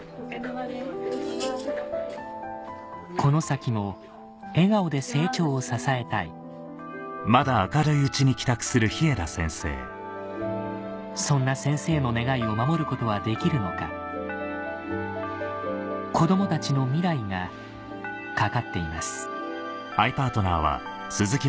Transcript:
この先も笑顔で成長を支えたいそんな先生の願いを守ることはできるのか子どもたちの未来が懸かっています